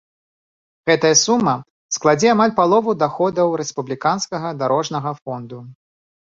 Гэтая сума складзе амаль палову даходаў рэспубліканскага дарожнага фонду.